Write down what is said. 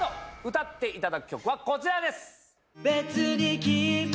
歌っていただく曲はこちらです。